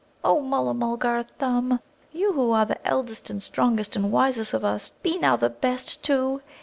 O Mulla mulgar Thumb, you who are the eldest and strongest and wisest of us, be now the best, too!